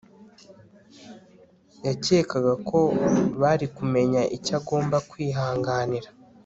Yakekaga ko bari kumenya icyo agomba kwihanganira